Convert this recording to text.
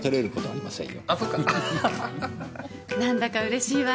何だかうれしいわ。